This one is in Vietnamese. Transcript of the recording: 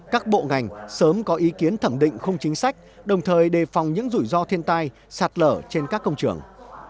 các bộ ngành sớm có ý kiến thẩm định khung chính sách đồng thời đề phòng những rủi ro thiên tai sạt lở trên các công trường